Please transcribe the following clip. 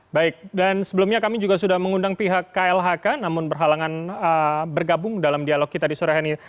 baik dan sebelumnya kami juga sudah mengundang pihak klhk namun berhalangan bergabung dalam dialog kita di sore hari ini